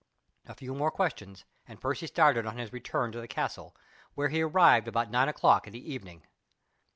A few more questions, and Percy started on his return to the castle, where he arrived at about nine o'clock in the evening.